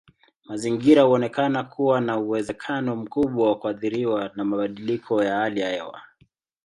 Mazingira huonekana kuwa na uwezekano mkubwa wa kuathiriwa na mabadiliko ya hali ya hewa.